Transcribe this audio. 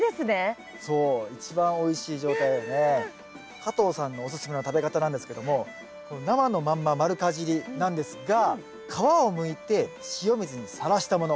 加藤さんのおすすめの食べ方なんですけども生のまんま丸かじりなんですが皮をむいて塩水にさらしたもの